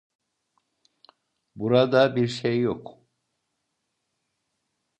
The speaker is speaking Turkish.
Burada birşey yok.